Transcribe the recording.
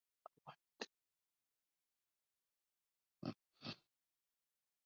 Khan was utterly disappointed at not winning the award.